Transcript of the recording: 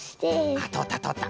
あっとおったとおった。